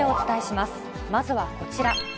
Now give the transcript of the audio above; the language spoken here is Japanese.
まずはこちら。